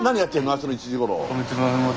明日の１時ごろ。